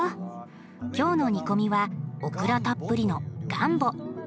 今日の煮込みはオクラたっぷりのガンボ。